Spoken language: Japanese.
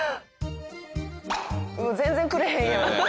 全然くれへんやん。